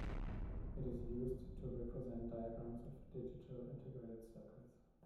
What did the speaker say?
It is used to represent diagrams of digital integrated circuits.